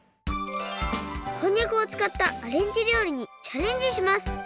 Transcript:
こんにゃくをつかったアレンジりょうりにチャレンジします